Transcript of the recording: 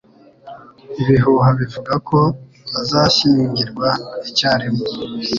Ibihuha bivuga ko bazashyingirwa icyarimwe.